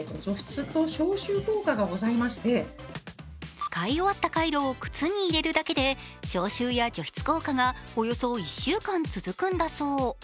使い終わったカイロを靴に入れるだけで消臭や除湿効果がおよそ１週間続くんだそう。